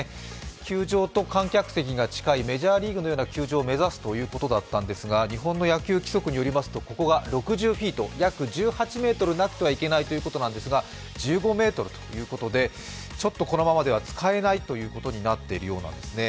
球場と観客席の近いメジャーリーグのような球場を目指すということだったんですが、日本の野球規則によりますと、ここが６０フィート、約１８ｍなくてはいけないということなんですが１５ｍということで、ちょっとこのままでは使えないということになっているようなんですね。